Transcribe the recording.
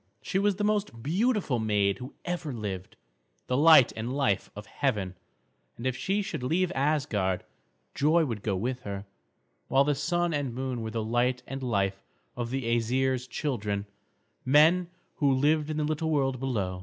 She was the most beautiful maid who ever lived, the light and life of heaven, and if she should leave Asgard, joy would go with her; while the Sun and Moon were the light and life of the Æsir's children, men, who lived in the little world below.